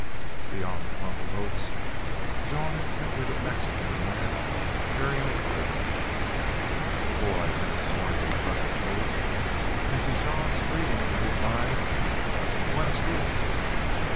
Beyond the clump of oaks Jean encountered a Mexican lad carrying a carbine. The boy had a swarthy, pleasant face, and to Jean's greeting he replied, "BUENAS DIAS."